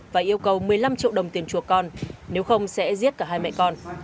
và yêu cầu một mươi năm triệu đồng tiền chùa con nếu không sẽ giết cả hai mẹ con